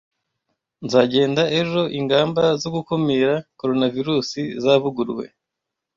Nzagenda ejo ingamba zo gukumira Coronavirusi zavuguruwe.